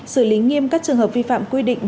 xử lý nghiêm các trường hợp vi phạm quy định